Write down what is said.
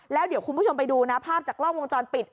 แล้วเดี๋ยวคุณผู้ชมไปดูนะภาพจากกล้องวงจรปิด